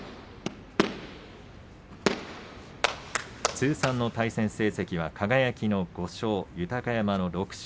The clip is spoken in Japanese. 通算の対戦成績は輝の５勝豊山の６勝。